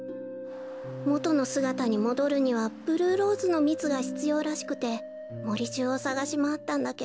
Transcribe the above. もとのすがたにもどるにはブルーローズのみつがひつようらしくてもりじゅうをさがしまわったんだけど。